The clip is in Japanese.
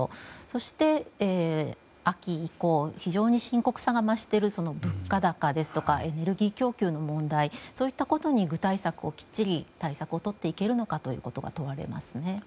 そして、秋以降非常に深刻さが増している物価高ですとかエネルギー供給の問題そういったことに具体策をきっちり対策をとっていけるかということが問われますね。